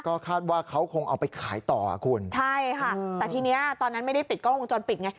ก็คาดว่าเขาคงเอาไปขายต่ออ่ะคุณใช่ค่ะแต่ทีเนี้ยตอนนั้นไม่ได้ติดกล้องวงจรปิดไง